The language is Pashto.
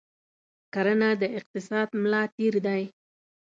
کرنه د اقتصاد ملا تیر دی.